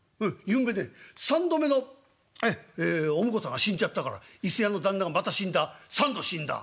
ゆんべね３度目のお婿さんが死んじゃったから伊勢屋の旦那がまた死んだ３度死んだ」。